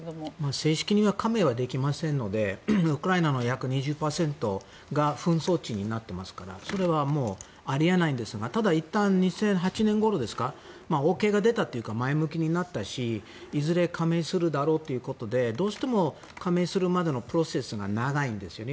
正式加盟はできませんのでウクライナの約２０％が紛争地になってますからそれはあり得ないんですがただ、いったん２００８年ごろですかＯＫが出たというか前向きになったし、いずれ加盟するだろうということでどうしても加盟するまでのプロセスが長いんですよね